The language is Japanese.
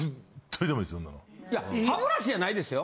歯ブラシじゃないですよ。